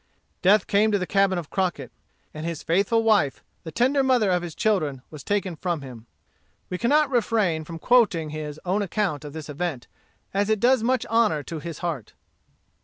Death came to the cabin of Crockett; and his faithful wife, the tender mother of his children, was taken from him. We cannot refrain from quoting his own account of this event as it does much honor to his heart.